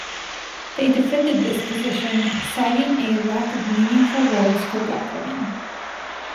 They defended this position, citing a lack of meaningful roles for black women.